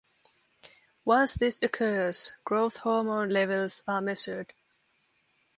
Once this occurs, growth hormone levels are measured.